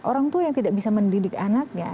orang tua yang tidak bisa mendidik anaknya